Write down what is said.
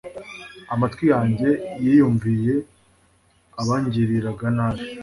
amatwi yanjye yiyumviye abangiriraga nabi